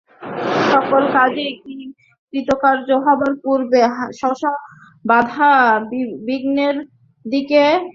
সকল কাজেই কৃতকার্য হবার পূর্বে শত শত বাধা-বিঘ্নের মধ্য দিয়ে অগ্রসর হতে হয়।